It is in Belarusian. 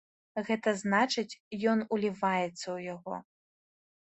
Гэта значыць, ён уліваецца ў яго.